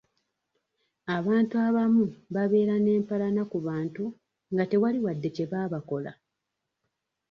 Abantu abamu babeera n'empalana ku bantu nga tewali wadde kye baabakola.